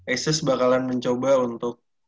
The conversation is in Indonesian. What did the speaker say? asus bakalan mencoba untuk